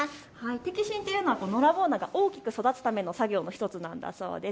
摘心というのはのらぼう菜が大きく育つための作業の１つなんだそうです。